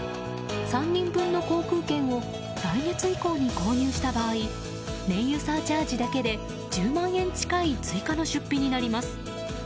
３人分の航空券を来月以降に購入した場合燃油サーチャージだけで１０万円近い追加の出費になります。